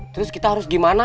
terus kita harus gimana